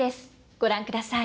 ご覧ください。